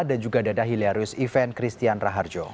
dan juga dada hilarius event christian raharjo